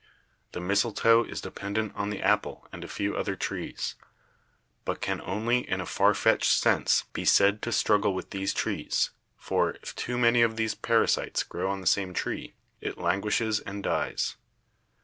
The mistletoe is dependent on the apple and a few other trees, but can only in a far FACTORS OF EVOLUTION— SELECTION 185 fetched sense be said to struggle with these trees, for, if too many of these parasites grow on the same tree, it lan guishes and dies.